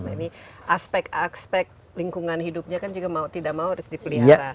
nah ini aspek aspek lingkungan hidupnya kan juga mau tidak mau harus dipelihara